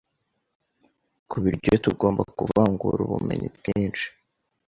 ku biryo tugomba kuvangura ubumenyibwinshi